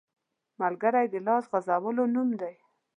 ملګری د لاس غځولو نوم دی